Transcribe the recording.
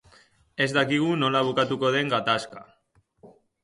Ez dakigu nola bukatuko den gatazka